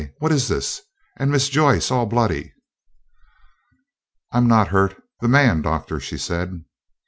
what is this? And Miss Joyce all bloody!" "I am not hurt. The man, Doctor," she said.